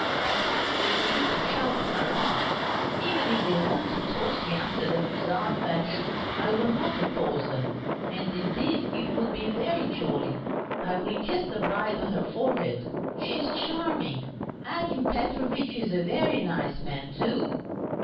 Perhaps they will even shout hurrah! Even if they want to toss me after the Hussar fashion I will not oppose them, and indeed it would be very jolly! I will kiss the bride on her forehead; she is charming. Akim Petrovitch is a very nice man, too.